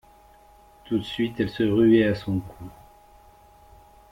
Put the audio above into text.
Tout de suite elle se ruait à son cou.